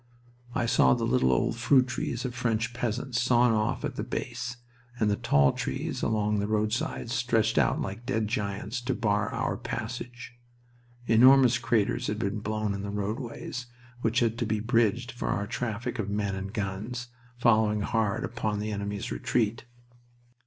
I saw the little old fruit trees of French peasants sawn off at the base, and the tall trees along the roadsides stretched out like dead giants to bar our passage. Enormous craters had been blown in the roadways, which had to be bridged for our traffic of men and guns, following hard upon the enemy's retreat.